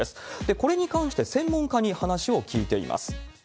これに関して、専門家に話を聞いています。